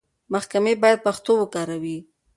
محکمې بايد پښتو وکاروي.